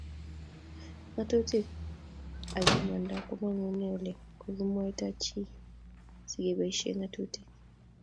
Ngatutik ak imanda ko mangune ole kokimwaita chii sikeboishe ngatutik